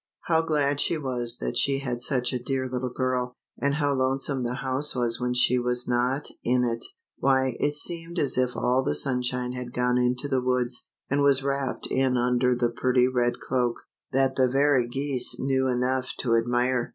How glad she was that she had such a dear little girl ; and how lonesome the house was when she was not in it ! Why it seemed as if all the sunshine had gone into the woods, and was wrapped in under the pretty red cloak, that the very geese knew enough to admire.